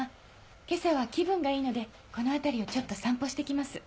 今朝は気分がいいのでこの辺りをちょっと散歩して来ます。